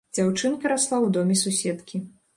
Дзяўчынка расла ў доме суседкі.